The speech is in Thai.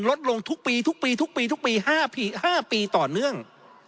ลดลงทุกปีทุกปีทุกปีทุกปี๕ปีต่อเนื่อง